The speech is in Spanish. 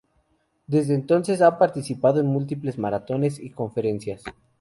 Desde entonces ha participado en múltiples maratones y conferencias.